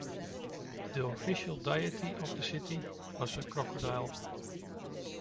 The official deity of the city was a crocodile.